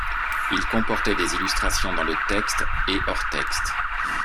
Ils comportaient des illustrations dans le texte et hors-texte.